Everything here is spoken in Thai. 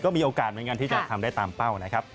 มีโอกาสเหมือนกันที่จะทำได้ตามเป้านะครับ